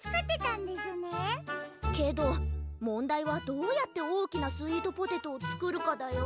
けどもんだいはどうやっておおきなスイートポテトをつくるかだよ。